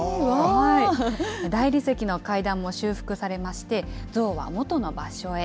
大理石の階段も修復されまして、像は元の場所へ。